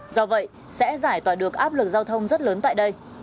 do vậy sẽ giải tỏa được áp lực giao thông rất lớn tại đây